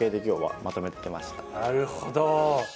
なるほど。